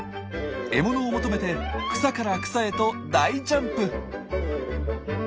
獲物を求めて草から草へと大ジャンプ！